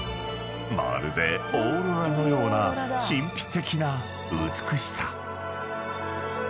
［まるでオーロラのような神秘的な美しさ］